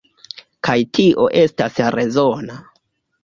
Kaj tio estas rezona.